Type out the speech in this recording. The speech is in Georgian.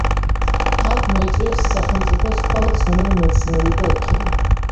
აქ მოიწვიეს სახელმწიფოს ყველა ცნობილი მეცნიერი და ექიმი.